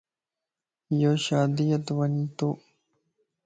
يو شاديءَ تَ وڃتو